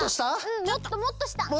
うんもっともっとした！